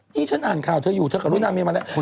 นี่ฉันอ่านข่าวเธออยู่เธอกับรุ่นนางเมียมาแล้ว